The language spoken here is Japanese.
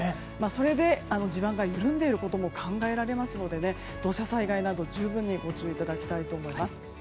それで地盤が緩んでいることも考えられますので土砂災害など十分にご注意いただきたいと思います。